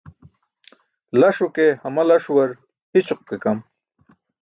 Laṣo ke hama-laaṣuwar hi̇ćoq ke kam.